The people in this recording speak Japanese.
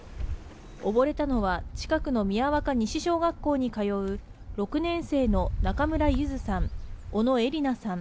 溺れたのは近くの宮若西小学校に通う６年生の中村優杏さん小野愛莉南さん